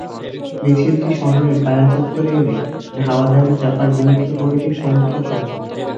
মিছিলটি শহরের পায়রা চত্বরে এলে ধাওয়া দেন জাপার বিলুপ্ত কমিটির সমর্থকেরা।